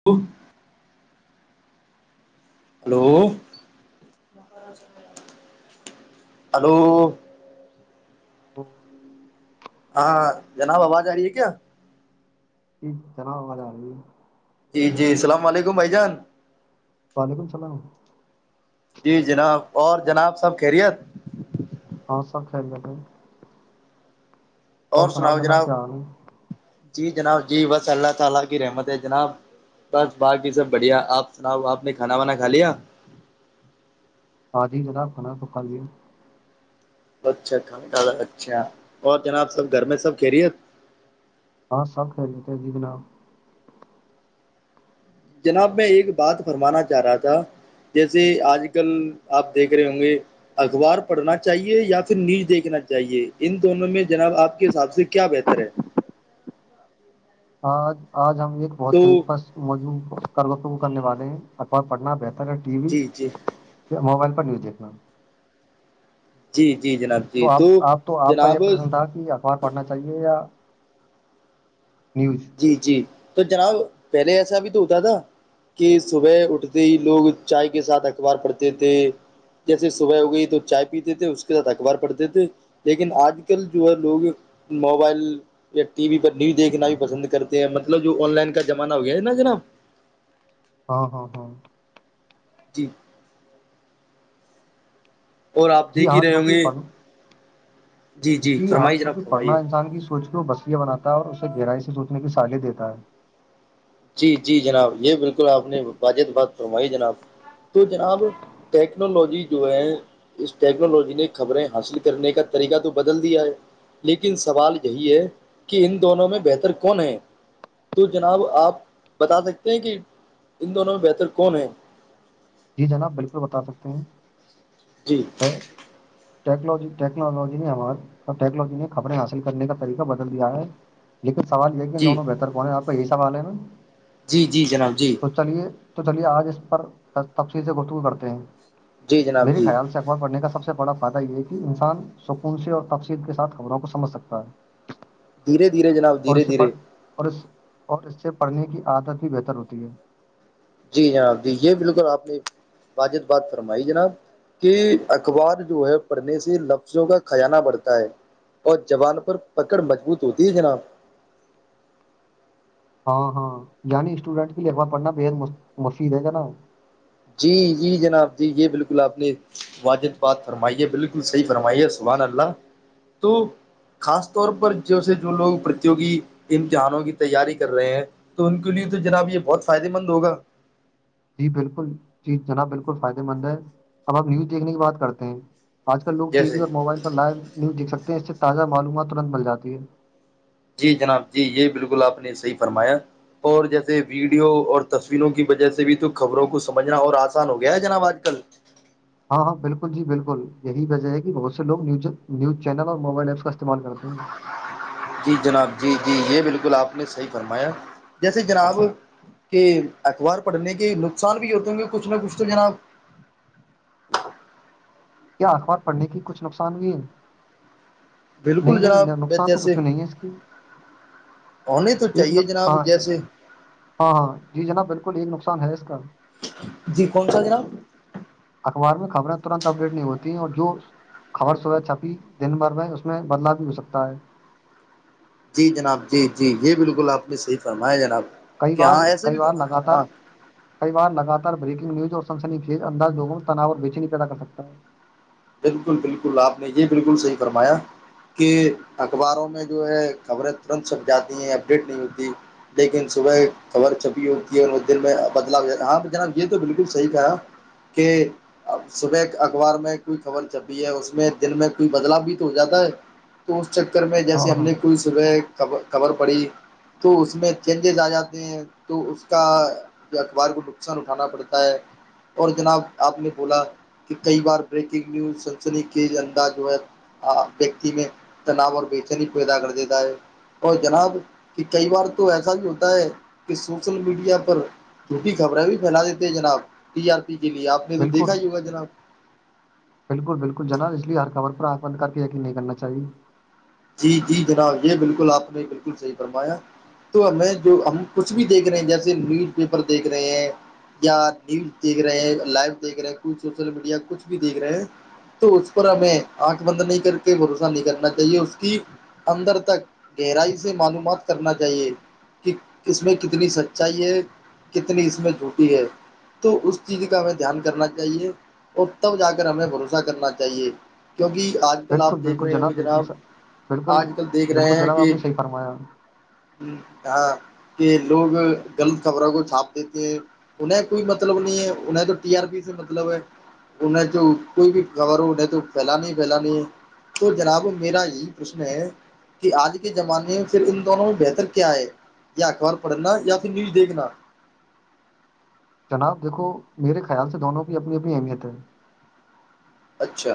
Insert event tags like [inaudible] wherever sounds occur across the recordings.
[unintelligible] hello hello [unintelligible] ہاں جناب آواز آ رہی ہے کیا ج جنا ہوا جا رہی جی جی السلام علیکم بھائی جان وعلیکم السلام جی جناب اور جناب سب خیریت ہاں سب خل کیا بائی اور سناب سناؤ جناب کیا حال ہے جی جناب جی بس اللہ تعالی کی رحمت ہے جناب بس باقی سب بڑھیا آپ سناؤ آپ نے کھانا وانا کھ لیا ہاں جی جناب آ کنا توکھا جی ہے اچھا اچھر اچھا اور جناب سب گھر میں سب کہہ رہی ہے ہاں سب خ رہے ت جی جناب جناب میں ایک بات فرمانا چاہ رہا تھا جیسے آج کل آپ دیکھ رہے ہوں گے اخبار پڑھنا چاہیے یا پھر نیچ دیکھنا چاہیے ان دونوں میں جناب آپ کے حساب سے کیا بہتر ہے آج آج ہم ایک تو بہت دلپس موجع وف کرنے والے ہیں اخبار پڑھنا بہتر ٹی وی جی جی یا موبائل پر نیوز دیکھنا جی جی جناب تو آپ آپ تو آپ کا یہ جناب پرسن تھا کہپ پڑھنا چاہیے یا نیوز جی جی تو جناب پہلے ایسا بھی تو ہوتا تھا کہ صبح اٹھتے ہی لوگ چائے کے ساتھ اخبار پڑھتے تھے جیسے صبح ہو گئی تو چائے پیتے تھے اس کے ساتھ اخبار پڑھتے تھے لیکن آج کل جو ہے لوگ موبائل یا ٹی وی پر نیوز دیکھنا بھی پسند کرتے ہیں مطلب جو آن لائن کا زمانہ ہو گیا ہے نا جناب ہاں ہاں ہاں جی اور آپ جی دیکھ ہی ہاں رہے ہوں کیونکہ گے پڑھ جی ہاں فرمائیے جناب کیونکہ پڑھنا فرمائیے انسان کی سوچ کے وہ بسییہ بناتا ہے اور اسے گہرائی سے سوچنے کی سالی دیتا ہے جی جی جناب یہ بالکل آپ نے واجد بات فرمائی جناب تو جناب ٹیکنالوجی جو ہے اس ٹیکنالوجی نے خبریں حاصل کرنے کا طریقہ تو بدل دیا ہے لیکن سوال یہی ہے کہ ان دونوں میں بہتر کون ہے تو جناب آپ بتا سکتے ہیں کہ ان دونوں میں بہتر کون ہیں جی جناب بالکل بتا سکتے ہیں جی ٹیکنجی ٹیکنجی نہیں ہمار اب ٹیکنالوجی نے خبریں حاصل کرنے کا طریقہ بدل دیا ہے لیکن سوال یہ ہے کہ جی دونوں بہتر کونے آپ کا یہی سوال ہے نا جی جی جناب جی تو چلیے تو چلیے آج اس پر تفصیلیں گفتگو کرتے ہیں جی جناب میرے جی خیال سے اخبارڑنے کا سب سے بڑا فائدہ یہ ہے کہ انسان سکون سے اور تفصیل کے ساتھ خبروں کو سمجھ سکتا ہے دھیرے دھیرے جناب اور دھیرے اسے دھیرے پڑھ اور اس اور اس سے پڑھنے کی عادت بھی بہتر ہوتی ہے جی جناب جی یہ بالکل آپ نے واجد بات فرمائی جناب کہ اخبار جو ہے پڑھنے سے لفظوں کا خزانہ بڑھتا ہے اور جوبان پر پکڑ مضبوط ہوتی ہے جناب ہاں ہاں یعنی اسٹوڈینٹ کی لھبا پڑھنا بے حد مفید ہے کیا نا جی جی جناب جی یہ بالکل آپ نے واجد بات فرمائی ہے بالکل صحیح فرمائیے سبان اللہ تو خاص طور پر جیسے جو لوگ پرتوگی امتحانوں کی تیاری کر رہے ہیں تو ان کے لیے تو جناب یہ بہت فائدے مند ہوگا جی بالکل جی جناب بالکل فائدہ مند ہے اب آپ نیوز دیکھنے کی بات کرتے ہیں آج کل لوگ ٹی وی جیسے اور موبائل پر لائیو نیوز دیک سکتے ہیں اس سے تازہ معلومات ترت ب جاتی ہے جی جناب جی یہ بالکل آپ نے صحیح فرمایا اور جیسے ویڈیو اور تصویروں کی وجہ سے بھی تو خبروں کو سمجھنا اور آسان ہو گیا ہے جناب آج کل ہاں ہاں بالکل جی بالکل یہی وجہ ہے کہ بہت سے لوگ نی نیوز چینل اور موبائل ایپس کا استعمال کرتے ہیں جی جناب جی جی یہ بالکل آپ نے صحیح فرمایا جیسے جناب کہ اخبار پڑھنے کے نقصان بھی ہوتے ہوں کہ کچھ نہ کچھ تو جناا کیا اخبار پڑھنے کی کچھ نقصان ہوئی ہے نہیں بالکل جناب نہیں نقصان تو جیسے کچھ بھی نہیں ہے اس کی ہونے تو ایک چاہیے نق... جناب ہاں ایک- جیسے ہاں ہاں جی جناب بالکل ایک نقصان ہے اس کا جی کون سا جناب اخبار میں خبریں ترنت اب نہیں ہوتی ہیں اور جو خبر س ہو چھپی دن بھر میں اس میں بدلاؤ بھی ہو سکتا ہے جی جناب جی جی یہ بالکل آپ نے صحیح فرمایا جناب کئی کہ بار ہاں ایسے کئی بھی بار ہاں لگاتار ہاں کئی بار لگاتار بریکنگیوز اور سمسنی فیج انداز لووں میں تناو اور بیچنی پیدا کر سکتا ہے بالکل بالکل آپ نے یہ بالکل صحیح فرمایا کہ اخباروں میں جو ہے خبریں ترنت سب جاتی ہیں اپڈیٹ نہیں ہوتی لیکن صبح خبر چھپی ہوتی ہے وہ دن میں بدلاؤ ہو جاتا ہاں جناب یہ تو بالکل صحیح کا کہ صبح اخبار میں کوئی خبر چھپی ہے اس میں دن میں کوئی بدلاؤ بھی تو ہو جاتا ہے تو اس چکر میں جیسے ہاں ہم ہاں نے کوئی صبح خبر پڑی تو اس میں چینجز آ جاتے ہیں تو اس کا اخبار کو نقصان اٹھانا پڑتا ہے اور جناب آپ نے بولا کہ کئی بار بریکنگ نیوز سنسنی کے انداز ویکتی میں تناؤ اور بےچین پیدا کر دیتا ہے اور جناب کہ کئی بار تو ایسا بھی ہوتا ہے کہ سوشل میڈیا پر جھوٹی خبریں بھی پھیلا دیتے ہیں جناب ٹی آر پی کے لیے آپ نے تو دیکھا بالکل ہی ہوگا جناب بالکل بالکل جناب اسے ہر خبر پرا بند کر کے یین نہیں کرنا چاہیے جی جی جناب یہ بالکل آپ نے بالکل صحیح فرمایا تو ہمیں جو ہم کچھ بھی دیکھ رہے ہیں جیسے نیوز پیپر دیکھ رہے ہیں یا نیوز دیکھ رہے ہیں لائو دیکھ رہے کچھ سوشل میڈیا کچھ بھی دیکھ رہے تو اس پر ہمیں آنکھ بند نہیں کر کے بھروسہ نہیں کرنا چاہیے اس کی اندر تک گہرائی سے معلومات کرنا چاہیے کہ اس میں کتنی سچائی ہے کتنی اس میں جھوٹی ہے تو اس چیز کا ہمیں دھیان کرنا چاہیے اور تب جا کر ہمیں بھروسہ کرنا چاہیے کیونکہ آج کل بالکل آپ دیکھ بالکل رہے ہوں گے بالکل جناب سر بالکل آج کل دیکھ رہے بالکل ہیں جناب آپ کہ نے صحیح فرمایا ہاں کہ لوگ غلط خبروں کو چھاپ دیتے ہیں انہیں کوئی مطلب نہیں ہے انہیں تو ٹی آر پی سے مطلب ہے انہیں تو کوئی بھی خبر ہو انہیں تو پھیل نہیں پھیلانی ہے تو جناب میرا پرشن ہے کہ آج کے زمانے میں پھر ان دونوں میں بہتر کیا ہے یا اخبار پڑھنا یا پھر نیوز دیکھنا جناب دیکھو میرے خیال سے دونوں کی اپنی اپنی اہمیت ہے اچھا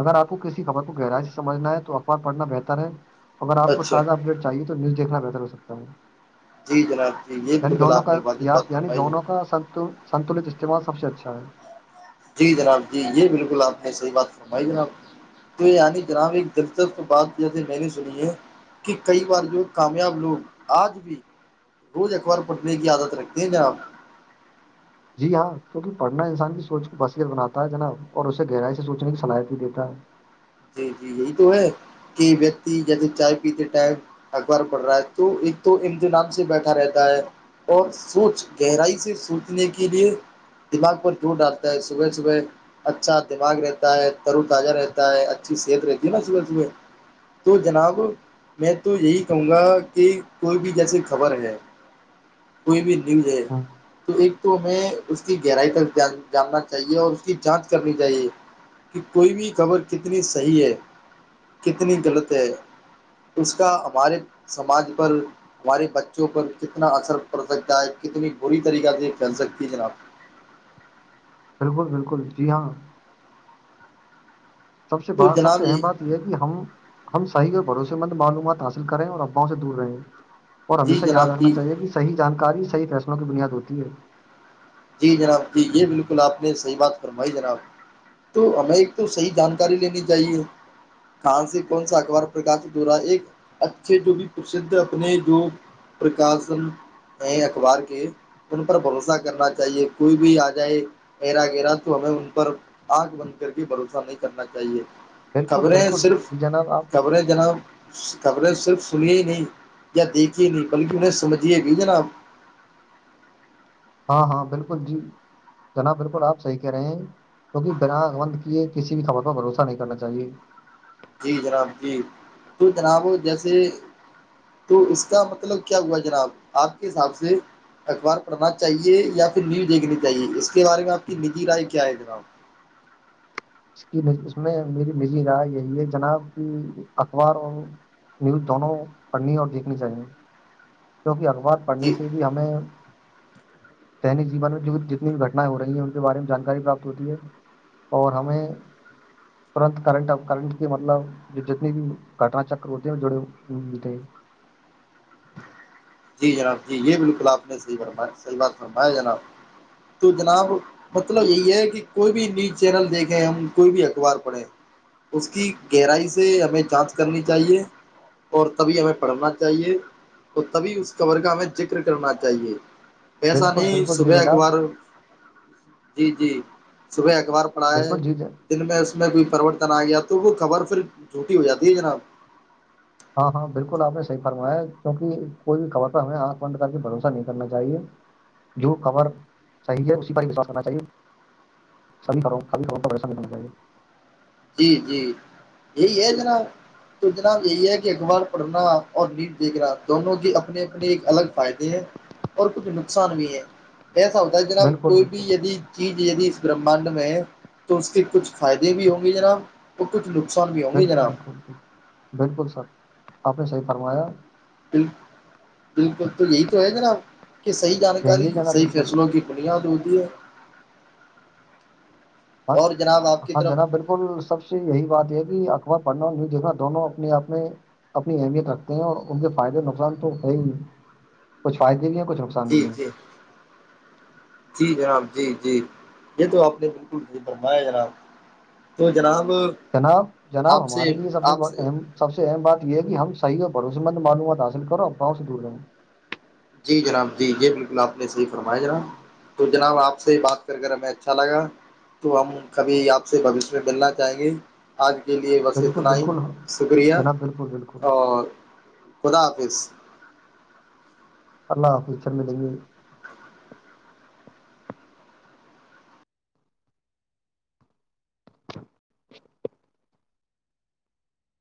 اگر آپ کو کسی خبر کو گہرائی سے سمجھنا ہے تو اخبارڑھنا بہتر ہے اگر آپ کو اچھا تازہ اپڈیٹ چاہے تو نیوز دیکنا بہتر ہو سکتا ہے جی جناب جی یہ ع بالکل دونوں آپ کا نے واجب یا بات یعنی فرمائی ہے دونوں کا سنتو سنتلت استعمال سب سے اچھا ہے جی جناب جی یہ بالکل آپ نے صحیح بات سنوائی جناب یعنی جناب ایک دلچسپ بات کیا م نے سنیے کہ کئی بار جو کامیاب لوگ آج بھی روز اخبار پٹنے کی عادت رکھتے ہیں نا آپ جی ہاں کیونکہ پڑھنا انسان کی سوچ کو بصیت بناتا ہے جناب اور اسے گہرائی سے سوچنے کی صلاحیت بھی دیتا ہے جی جی یہی تو ہے کہ ویکتی جیسے چائے پیتے ٹائم اخبار پڑھ رہا ہے تو ایک تو امتحان سے بیٹھا رہتا ہے اور سوچ گہرائی سے سوچنے کے لیے دماغ پر چوٹ ڈالتا ہے صبح صبح اچھا دماغ رہتا ہے ترو تازہ رہتا ہے اچھی صحت رہتی ہےا صبح صبح تو جناب میں تو یہی کہوں گا کہ کوئی بھی جیسی خبر ہے کوئی بھی لن جائے ہاں تو ایک تو ہمیں اس کی گہرائی تک ج جاننا چاہیے اور اس کی جانچ کرنی چاہیے کہ کوئی بھی خبر کتنی صحی ہے کتنی غلط ہے اس کا ہمارے سماج پر ہمارے بچوں پر کتنا اثر پڑ سکتا ہے کتنی بری طریقہ سے پھیل سکتی ہے جناب بالکل بالکل جی ہاں سب سے تو بات سب سے جناب یہ اہم بات ہے کہ ہم ہم صحیح اور بھروسے مند معلومات حاصل کریں اور افباؤوں سے دور رہیں اور جی ہمیشہ یاد جناب رکھنا جی چاہیے کہ صحیح جانکاری صحی فیصلوں کی بنیاد ہوتی ہے جی جناب جی یہ بالکل آپ نے صحیح بات کروائی جناب تو ہمیں ایک تو صحیح جانکاری لینی چاہیے کان سے کون سا اخبار پرکاشت ہو رہا ہے ایک اچھے جو بھی پرھ اپنے جو پرکاشن ہیں اخبار کے ان پر بھروسہ کرنا چ چاہے کوئی بھی آ جائے ایرا گیرا تو ہمیں ان پر آنکھ بند کر کے بھروسہ نہیں کرنا چاہیے بالکل خبریں بالکل صرف جی جناب آپ خبریں جناب خبریں صرف سنیے ہی نہیں یا دیکھی نہیں بلکہ انہیں سمجھیے بھی جنا ہاں ہاں بالکل جی جناب بالکل آپ صحیح کہہ رہے ہیں کیونکہ بنا بند کیے کسی بھی خبر پر بھروسہ نہیں کرنا چاہیے جی جناب جی تو جناب جیسے تو اس کا مطلب کیا ہوا جناب آپ کے حساب سے اخبار پڑھنا چاہیے یا پھر نیو دیکھنی چاہیے اس کے بارے میں آپ کی نجی رائے کیا ہے جناب اس کی اس میں میری مز رائے یہی ہے جناب کہ اخبار اور نیوز دونوں پڑھنی اور دیکھنی چاہی گے کیونکہ اخبار پڑھنے جی سے بھی ہمیں دینک جیون میں جو بھی جتنی بھی گٹنائیں ہو رہی ہیں ان کے بارے میں جانکاری پراپت ہوتی ہے اور ہمیں ترت کرنٹ اب کرنٹ کے مطلب جو جتنی بھی گٹنا چکر ہوتے ہیں ہو جڑےے جی جناب جی یہ بالکل آپ نے صحیم صحیح بات فرمایا جناب تو جناب مطلب یہی ہے کہ کوئی بھی نیوز چینل دیکھیں ہم کوئی بھی اخبار پڑھیں اس کی گہرائی سے ہمیں جانچ کرنی چاہیے اور تبھی ہمیں پڑھنا چاہیے تو تبھی اس کبر کا ہمیں ذکر کرنا چاہیے ایسا بالکل نہیں بالکل جی صبح جناب اخبار جی جی صبح اخبار پڑھا ہے بالکل جی جناب، دن میں اس میں کوئی پرورتن آ گیا تو وہ خبر پھر جھوٹی ہو جاتی ہے جناب ہاں ہاں بالکل آپ نے صحی فرمایا کیوں کہ کوئی بھی خبر پر ہمیں آکھند کی بھروسہ نہیں کرنا چاہیے جو خبر صحیح ہے اسی پروات کرنا چاہیے کبحارم کب رسان ہے [inaudible] جی جی یہی ہے ذرا تو جناب یہی ہے کہ اخبار پڑھنا اور نیٹ دیکھنا دونوں کے اپنے اپنے ایک الگ فائدے ہیں اور کچھ نقصان بھی ہے ایسا ہوتا ہے جا بالکل کوئی بالکل بھی د چیز ید اس برہمانڈ میں ہے تو اس کے کچھ فائدے بھی ہوں گی جناب تو کچھ نقصان بھی ہوں گے بالکل جناب بالکل بالکل بالکل سر آپ نے صحیح فرمایا ب بالکل تو یہی تو ہے گا نا آپ کہ صحیح جانکاری یہی ہے جناب صحیح بالکل فیصلوں کی بڑیا دود دیا ہاں ہاں جناب بالکل بالکل سب سے یہی بات یہ ہے کہ اخبار پڑھنا بھی دیکھنا دونوں اپنے آپ میں اپنی اہمیت رکھتے ہیں اور ان کے فائدے نقصان تو ہےی کچھ فائدے بھی ہیں کچھ نقص جی جی جی جناب جی جی یہ تو آپ نے بالکل یہ فرمایا جناب تو جناب جناب جناب ہمارے لیے سب سے بڑ اہم سب سے اہم بات یہ ہے کہ ہم صحیحوں بھروے مند معلومات حاصل کرو ا پاؤں سے دور رہیں جی جناب جی جی بالکل آپ نے صحیح فرمایا جناب تو جناب آپ سے بات ہمیں اچھا لگا تو ہم کبھی آپ سے بوشیہ میں ملنا چاہیں گے آج کے لیے بس بالکل اتنا ہی بالکل شکریہ جناب بالکل بالکل اور خدا حافظ اللہ حافظ پر ملیں گے [unintelligible]